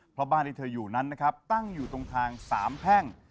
เพราะบ้านที่เธออยู่นั้นนะครับตั้งอยู่ตรงทางสามแพ่ง